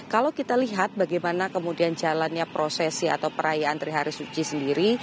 kalau kita lihat bagaimana kemudian jalannya prosesi atau perayaan trihari suci sendiri